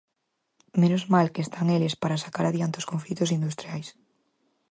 Menos mal que están eles para sacar adiante os conflitos industriais.